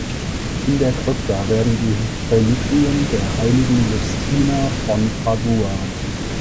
In der Krypta werden die Reliquien der heiligen Justina von Padua.